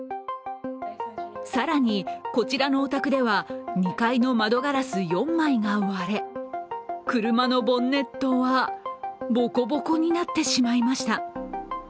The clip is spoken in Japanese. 更に、こちらのお宅では２階の窓ガラス４枚が割れ、車のボンネットはボコボコになってしまいました。